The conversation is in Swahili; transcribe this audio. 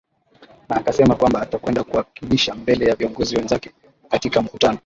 na akasema kwamba atakwenda kuwakilisha mbele ya viongozi wenzake katika mkutano